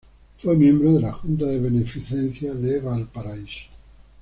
Fue miembro de la Junta de Beneficencia de Valparaíso.